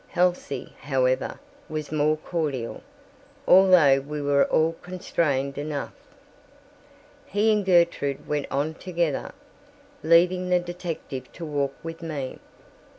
Halsey, however, was more cordial, although we were all constrained enough. He and Gertrude went on together, leaving the detective to walk with me.